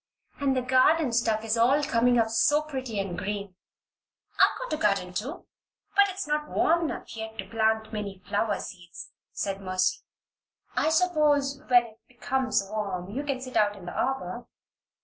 And the garden stuff is all coming up so pretty and green." "I've got a garden, too. But it's not warm enough yet to plant many flower seeds," said Mercy. "I suppose, when it comes warm, you can sit out in the arbor?"